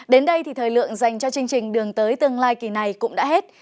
đến đây thì thời lượng dành cho chương trình đường tới tương lai kỳ này cũng đã hết